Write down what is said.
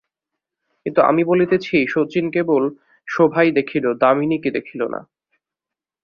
কিন্তু আমি বলিতেছি শচীশ কেবল শোভাই দেখিল, দামিনীকে দেখিল না।